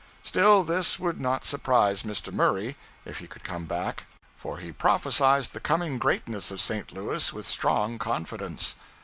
Still, this would not surprise Mr. Murray, if he could come back; for he prophesied the coming greatness of St. Louis with strong confidence.